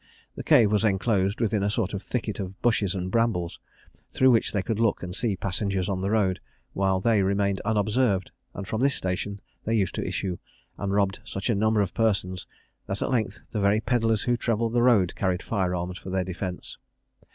The cave was enclosed within a sort of thicket of bushes and brambles, through which they could look and see passengers on the road, while they remained unobserved; and from this station they used to issue, and robbed such a number of persons, that at length the very pedlars who travelled the road carried fire arms for their defence.